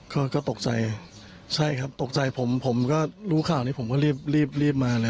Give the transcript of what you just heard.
ก็ก็ตกใจใช่ครับตกใจผมผมก็รู้ข่าวนี้ผมก็รีบรีบมาเลย